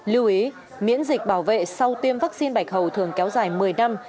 lưu ý miễn dịch bảo vệ sau tiêm vaccine bạch hầu thường kéo dài một mươi năm